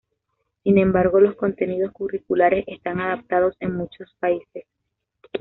Sin embargo, los contenidos curriculares están adaptados en muchos países.